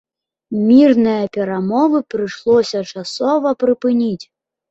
Мірныя перамовы прыйшлося часова прыпыніць.